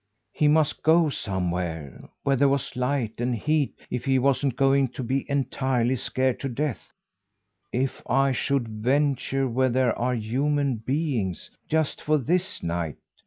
He must go somewhere, where there was light and heat, if he wasn't going to be entirely scared to death. "If I should venture where there are human beings, just for this night?"